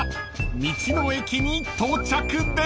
［道の駅に到着です］